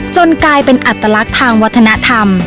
กลายเป็นอัตลักษณ์ทางวัฒนธรรม